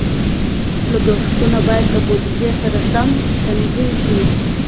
لګښتونه باید له بودیجې سره سم تنظیم شي.